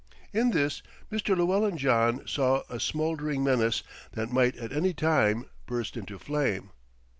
In this Mr. Llewellyn John saw a smouldering menace that might at any time burst into flame.